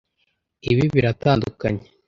Ibi biratandukanye.